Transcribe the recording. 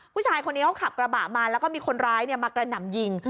ผู้ชายคนนี้เขาขับกระบะมาแล้วก็มีคนร้ายมากระหน่ำยิง